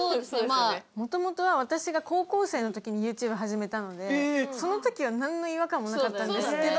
もともとは私が高校生の時にＹｏｕＴｕｂｅ始めたのでその時は何の違和感もなかったんですけど。